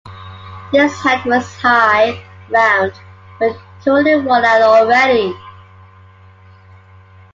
This hat was high, round, but totally worn out already.